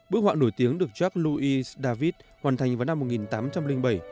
bức họa nổi tiếng được jacques louis david hoàn thành vào năm một nghìn tám trăm ba mươi